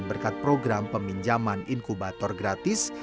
berkat program peminjaman inkubator gratis